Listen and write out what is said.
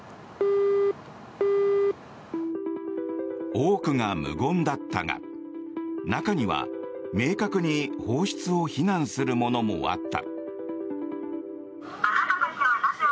多くが無言だったが中には明確に放出を非難するものもあった。